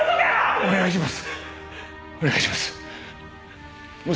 お願いします！